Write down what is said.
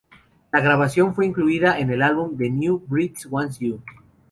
La grabación fue incluida en el álbum "The New Breed Wants You!